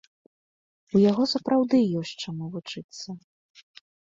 У яго сапраўды ёсць чаму вучыцца.